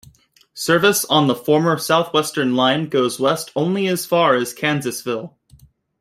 Service on the former Southwestern Line goes west only as far as Kansasville.